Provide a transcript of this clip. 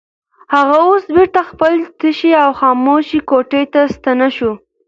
هغه اوس بېرته خپلې تشې او خاموشې کوټې ته ستنه شوه.